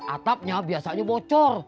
atapnya biasanya bocor